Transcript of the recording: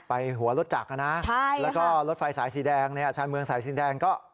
ไปหัวรถจักรนะแล้วก็รถไฟสายสีแดงเนี่ยชาญเมืองสายสีแดงก็